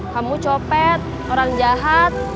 kamu copet orang jahat